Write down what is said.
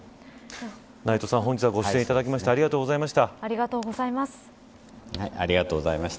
内藤さん、本日はご出演いただきありがとうございました。